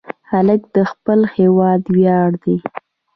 هلک د خپل هېواد ویاړ دی.